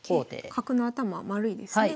角の頭丸いですね。